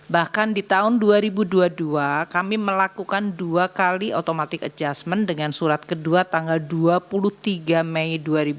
bahkan di tahun dua ribu dua puluh dua kami melakukan dua kali automatic adjustment dengan surat kedua tanggal dua puluh tiga mei dua ribu dua puluh